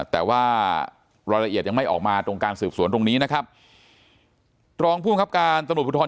แต่ว่ารายละเอียดยังไม่ออกมาตรงการสืบสวนตรงนี้นะครับตรองส่วนทรัพย์การตะโหนดพุทธร